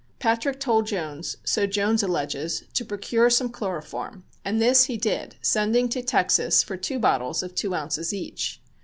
Patrick told Jones, so Jones alleges, to procure some chloroform and this he did, sending to Texas for two bottles of two ounces each.